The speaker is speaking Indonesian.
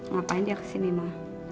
ngapain dia kesini ma